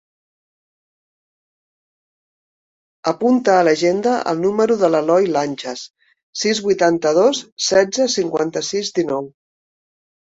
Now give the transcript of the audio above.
Apunta a l'agenda el número de l'Eloi Lanchas: sis, vuitanta-dos, setze, cinquanta-sis, dinou.